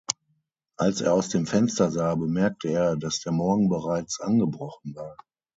Als er aus dem Fenster sah, bemerkte er, dass der Morgen bereits angebrochen war.